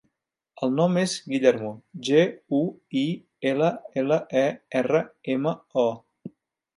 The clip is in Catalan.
El nom és Guillermo: ge, u, i, ela, ela, e, erra, ema, o.